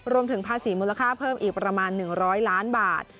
รวมถึงภาษีมูลค่าเพิ่มอีกประมาณ๑๐๐ล้านบาท